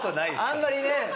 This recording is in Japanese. あんまりね。